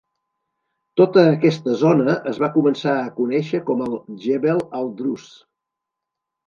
Tota aquesta zona es va començar a conèixer com el "Djebel al-Druze".